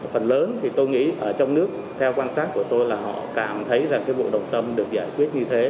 phần lớn thì tôi nghĩ ở trong nước theo quan sát của tôi là họ cảm thấy rằng cái bộ đồng tâm được giải quyết như thế